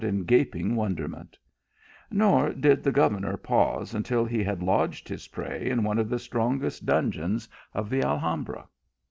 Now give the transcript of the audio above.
in gaping wonderment, nor did the governor pause until he had lodged his prey in one of the strongest dungeons of the Alhambra.